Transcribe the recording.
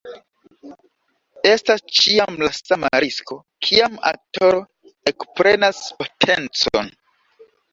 Estas ĉiam la sama risko, kiam aktoro ekprenas potencon.